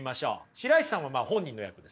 白石さんは本人の役ですね。